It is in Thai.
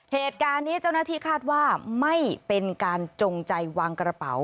เหตุการณ์นี้เจ้าหน้าที่คาดว่าไม่เป็นการจงใจวางกระเป๋า